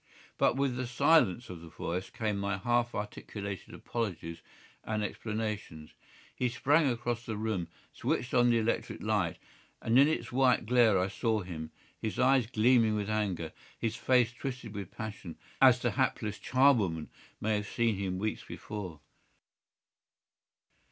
But with the silence of the voice came my half articulated apologies and explanations. He sprang across the room, switched on the electric light, and in its white glare I saw him, his eyes gleaming with anger, his face twisted with passion, as the hapless charwoman may have seen him weeks before.